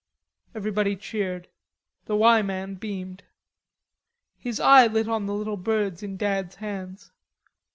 Everybody cheered. The "Y" man beamed. His eye lit on the little birds in Dad's hands.